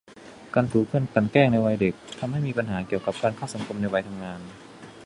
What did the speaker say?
การถูกเพื่อนกลั่นแกล้งในวัยเด็ก ทำให้มีปัญหาเกี่ยวกับการเข้าสังคมในวัยทำงาน